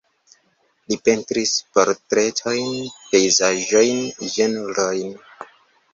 Li pentris portretojn, pejzaĝojn, ĝenrojn.